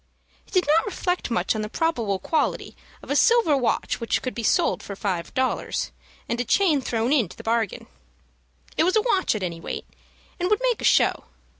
He did not reflect much on the probable quality of a silver watch which could be sold for five dollars, and a chain thrown into the bargain. It was a watch, at any rate, and would make a show.